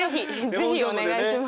是非お願いします。